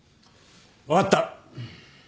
分かった。